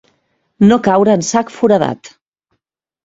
No caure en sac foradat.